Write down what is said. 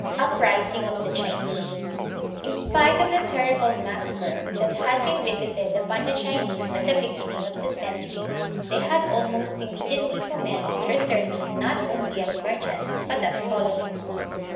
Uprising of the Chinese. In spite of the terrible mas sacre, that had been visited upon the Chinese at the beginning of the century, they had almost immediately commenced returning not only as merchants, but as colo nists.